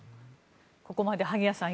ここまで萩谷さん